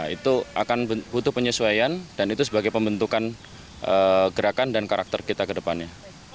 itu akan butuh penyesuaian dan itu sebagai pembentukan gerakan dan karakter kita ke depannya